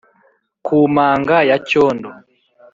Ku manga ya Cyondo